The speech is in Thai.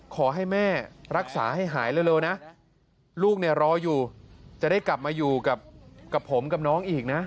ขอให้แม่รักษาให้หายเร็วนะลูกเนี่ยรออยู่จะได้กลับมาอยู่กับผมกับน้องอีกนะ